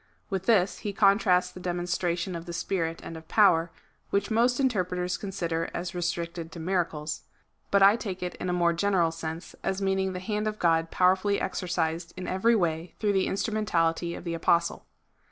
With this he contrasts the demonstration of the Spirit and of power, which most interpreters consider as restricted to miracles ; but I take it in a more general sense, as meaning the hand of God powerfully exercised in every way through the instrumentality of the Apostle.